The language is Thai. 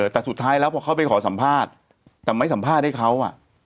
แต่สุดท้ายแล้วพอเขาไปขอสัมภาษณ์แต่ไม่สัมภาษณ์ให้เขา